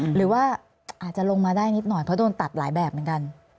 หรือว่าอาจจะลงมาได้นิดหน่อยเพราะโดนตัดหลายแบบเหมือนกัน